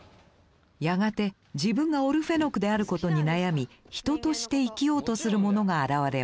やがて自分がオルフェノクであることに悩み人として生きようとする者が現れます。